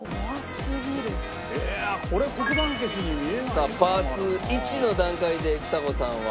さあパーツ１の段階でちさ子さんは。